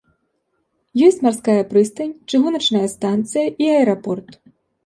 Ёсць марская прыстань, чыгуначная станцыя і аэрапорт.